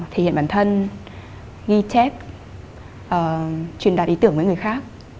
thể hiện bản thân ghi chép truyền đạt ý tưởng với người khác